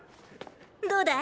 どうだい！